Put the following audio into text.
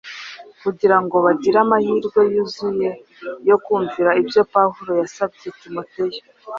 kugira ngo bagire amahirwe yuzuye yo kumvira ibyo Pawulo yasabye Timoteyo